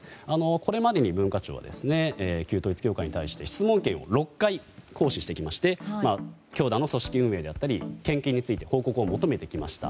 これまでに文化庁は旧統一教会に対して質問権を６回行使してきまして教団の組織運営や献金について報告を求めてきました。